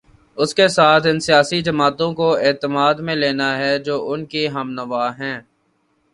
اس کے ساتھ ان سیاسی جماعتوں کو اعتماد میں لینا ہے جو ان کی ہم نوا ہیں۔